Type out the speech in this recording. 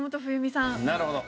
なるほど。